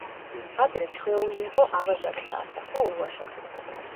ადრე ჩვეული იყო ავაზაკთა ასახვა ულვაშებით.